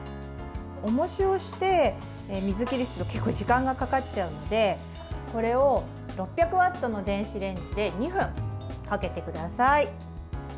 おもしをして水切りをすると結構、時間がかかっちゃうのでこれを６００ワットの電子レンジで２分かけてください。